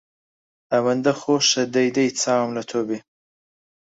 ئەوەندە خۆشە دەی دەی چاوم لە تۆ بێ